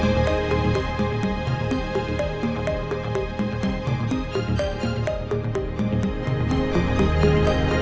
jangan ditunggu tunggu muncul joe